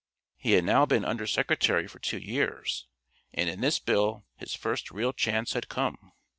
He had now been Under Secretary for two years, and in this Bill his first real chance had come.